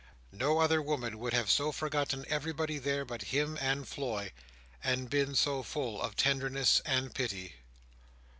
No other woman would have so forgotten everybody there but him and Floy, and been so full of tenderness and pity.